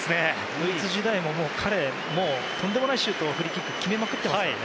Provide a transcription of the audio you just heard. ドイツ時代も、彼とんでもないシュートをフリーキックで決めまくってますから。